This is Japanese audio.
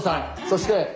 そして？